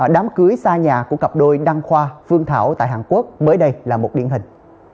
đám cưới xa nhà của cặp đôi đăng khoa phương thảo tại hàn quốc mới đây là một điển hình